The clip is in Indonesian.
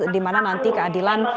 dimana nanti keadilan